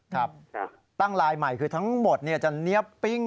ครับตั้งลายใหม่คือทั้งหมดจะเนี๊ยบปิ้ง